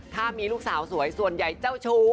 ถ้ามีลูกสาวสวยส่วนใหญ่เจ้าชู้